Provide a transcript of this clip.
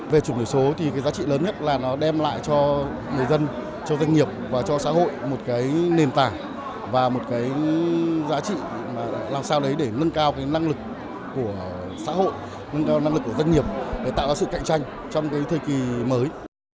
về chuyển đổi số giá trị lớn nhất là nó đem lại cho người dân doanh nghiệp và cho xã hội một nền tảng và một giá trị làm sao để nâng cao năng lực của xã hội nâng cao năng lực của doanh nghiệp để tạo ra sự cạnh tranh trong thời kỳ mới